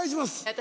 私